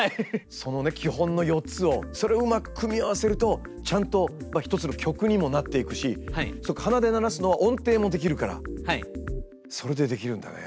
そのね基本の４つをそれをうまく組み合わせるとちゃんと一つの曲にもなっていくし鼻で鳴らすのは音程もできるからそれでできるんだね。